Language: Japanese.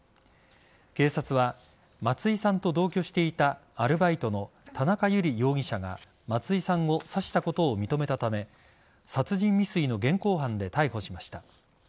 警察は、松井さんと同居していたアルバイトの田中友理容疑者が松井さんを刺したことを認めたため殺人未遂の現行犯で逮捕しました。